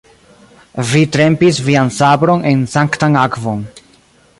vi trempis vian sabron en sanktan akvon.